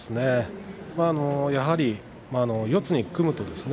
やはり四つに組むとですね